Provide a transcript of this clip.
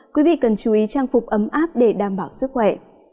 quý vị cần chú ý trang phục ấm áp để đảm bảo sức khỏe